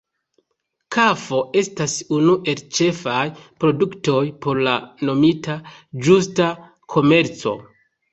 Kafo estas unu el ĉefaj produktoj por la nomita Justa komerco.